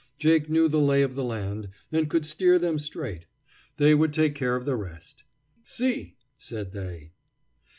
Jake knew the lay of the land, and could steer them straight; they would take care of the rest. "See!" said they.